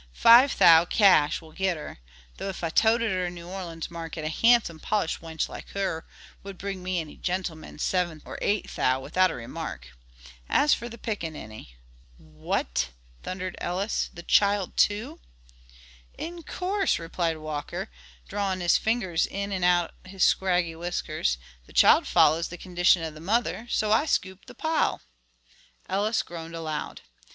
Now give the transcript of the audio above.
Five thou, cash, will git her, though ef I toted her to New Orleans market, a handsome polished wench like her would bring me any gentleman's seven or eight thou, without a remark. As for the pickaninny–" "What!" thundered Ellis, "the child, too?" "In course," replied Walker, drawing his finger in and out his scraggy whiskers, "the child follows the condition of the mother, so I scoop the pile." Ellis groaned aloud.